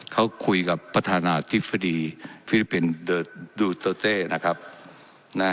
เขาคุยกับประธานาธิบดีฟิลิปเป็นนะครับน่ะ